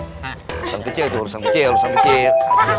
yang kecil itu urusan kecil urusan kecil